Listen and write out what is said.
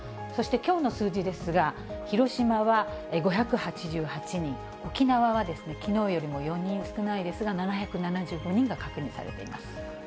そしてきょうの数字ですが、広島は５８８人、沖縄はきのうよりも４人少ないですが、７７５人が確認されています。